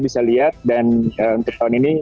bisa lihat dan untuk tahun ini